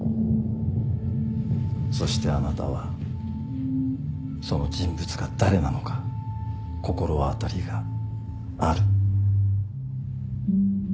そしてあなたはその人物が誰なのか心当たりがある。